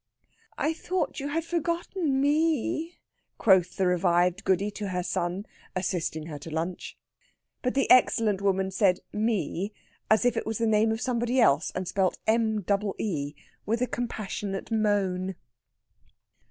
"I thought you had forgotten me," quoth the revived Goody to her son, assisting her to lunch. But the excellent woman said me (as if it was the name of somebody else, and spelt M double E) with a compassionate moan.